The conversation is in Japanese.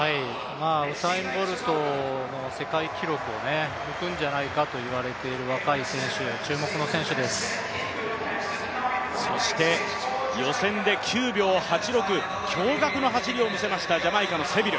ウサイン・ボルトの世界記録を抜くんじゃないかと言われている若い選手、そして予選で９秒８６、驚がくの走りを見せましたジャマイカのセビル。